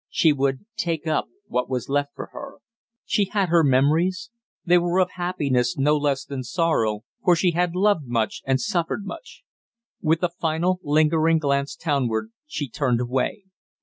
She would take up what was left for her. She had her memories. They were of happiness no less than sorrow, for she had loved much and suffered much. With a final lingering glance townward, she turned away.